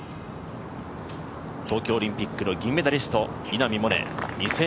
東京オリンピック、銀メダリスト・稲見萌寧。